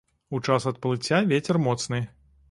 У час адплыцця вецер моцны.